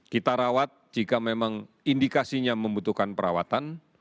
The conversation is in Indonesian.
kita rawat jika memang indikasinya membutuhkan perawatan